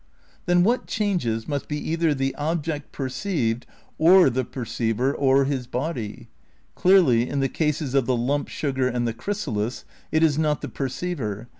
Then what changes must be either the object per ceived or the perceiver or his body. Clearly, in the cases of the lump sugar and the chrysalis, it is not the perceiver.